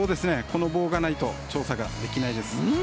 この棒がないと調査ができないです。